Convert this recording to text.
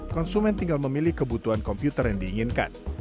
konsumen tinggal memilih kebutuhan komputer yang diinginkan